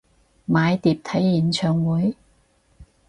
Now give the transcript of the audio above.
買碟睇演唱會？